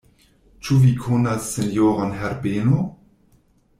Ĉu vi konas sinjoron Herbeno?